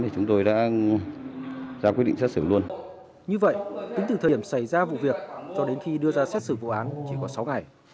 cho đến khi đưa ra xét xử vụ án chỉ có sáu ngày